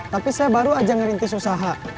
tapi saya baru aja ngerintis usaha